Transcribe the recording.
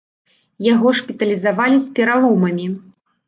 Яго шпіталізавалі з пераломамі.